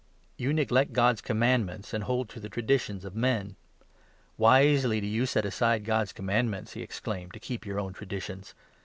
You neglect God's commandments and hold to the traditions of men. Wisely do you set aside God's commandments," he ex claimed, "to keep your own traditions